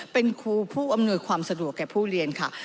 เป็นครูผู้อำนวยความสะดวกแก่ผู้เรียนค่ะ